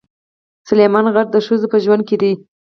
سلیمان غر د ښځو په ژوند کې دي.